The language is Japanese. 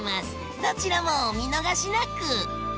どちらもお見逃しなく！